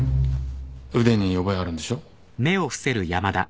腕に覚えあるんでしょ？